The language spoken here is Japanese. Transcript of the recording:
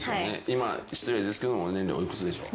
今失礼ですけども年齢お幾つでしょう？